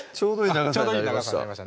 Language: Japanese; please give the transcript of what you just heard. ちょうどいい長さになりました